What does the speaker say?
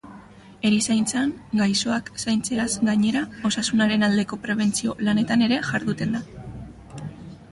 Erizaintzan, gaixoak zaintzeaz gainera, osasunaren aldeko prebentzio lanetan ere jarduten da.